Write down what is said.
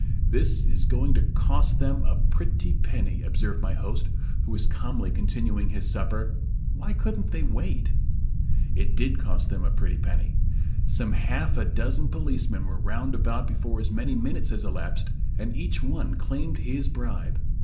"This is going to cost them a pretty penny," observed my host, who was calmly continuing his supper; "why couldn't they wait?" It did cost them a pretty penny. Some half a dozen policemen were round about before as many minutes had elapsed, and each one claimed his bribe.